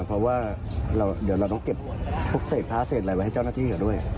เพราะว่าเดี๋ยวเราต้องเก็บพวกเศษพระเศษอะไรไว้ให้เจ้าหน้าที่เขาด้วย